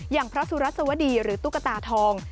อย่างพระสุรัสวดีหรือตุ๊กตาทอง